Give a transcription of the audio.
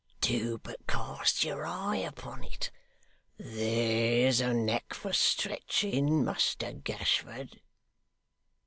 Do but cast your eye upon it. There's a neck for stretching, Muster Gashford!